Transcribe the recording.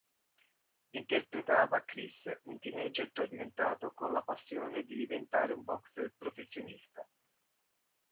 Interpretava Chris, un teenager tormentato con la passione di diventare un boxer professionista.